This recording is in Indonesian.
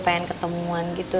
pengen ketemuan gitu